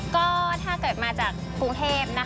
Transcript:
ก็ถ้าเกิดมาจากกรุงเทพ